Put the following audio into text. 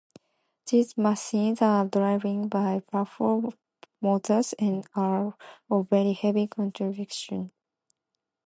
These machines are driven by powerful motors and are of very heavy construction.